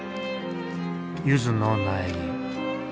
ゆずの苗木。